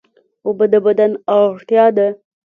اوبه د بدن اړتیا ده